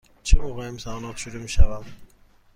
چه موقع امتحانات شروع می شوند؟